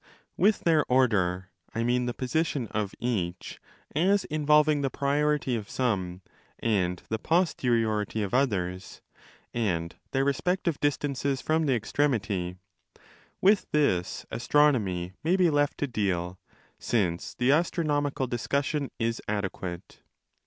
With their order—I mean the position of each, as 30 involving the priority of some and the posteriority of others, and their respective distances from the extremity— with this astronomy may be left to deal, since the astro nomical discussion is adequate.